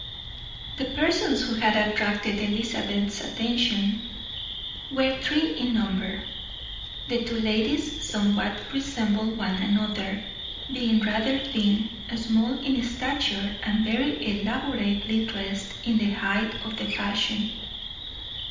The persons who had attracted Elizabeth's attention were three in number; the two ladies somewhat resembled one another, being rather thin, small in stature, and very elaborately dressed in the height of the fashion.